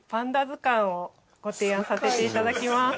図鑑をご提案させて頂きます。